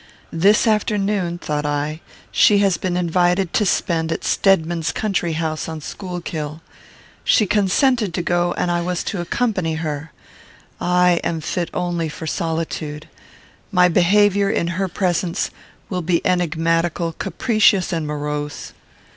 "This afternoon," thought I, "she has been invited to spend at Stedman's country house on Schuylkill. She consented to go, and I was to accompany her. I am fit only for solitude. My behaviour, in her presence, will be enigmatical, capricious, and morose.